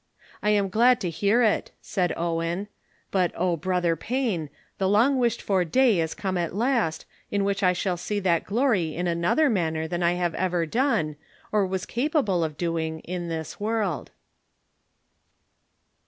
"I am glad to hear it," said Owen, "but, O broth er Payne ! the long wished for day is come at last, in which I shall see that glory in another manner than I have ever done, or was capable of doing, in this Avorld."